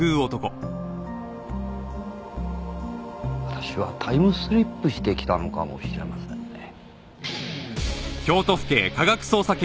私はタイムスリップしてきたのかもしれませんね。